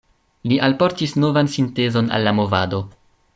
Li alportis novan sintezon al la movado.